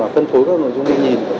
phân phối các nội dung nghe nhìn